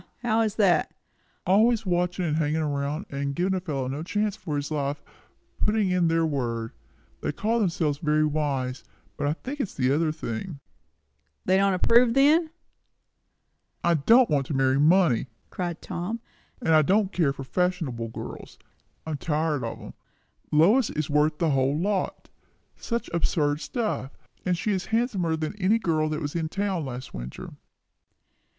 How is that?" "Always watching, and hanging around, and giving a fellow no chance for his life, and putting in their word. They call themselves very wise, but I think it is the other thing." "They don't approve, then?" "I don't want to marry money!" cried Tom; "and I don't care for fashionable girls. I'm tired of 'em. Lois is worth the whole lot. Such absurd stuff! And she is handsomer than any girl that was in town last winter."